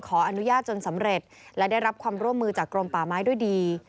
ขออนุญาตจนสำเร็จและได้รับความร่วมมือจากกรมป่าไม้ด้วยดี